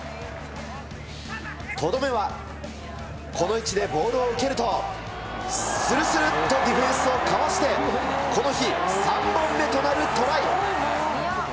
とどめは、この位置でボールを受けると、するするっとディフェンスをかわして、この日、３本目となるトライ。